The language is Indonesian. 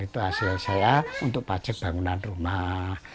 itu hasil saya untuk pajak bangunan rumah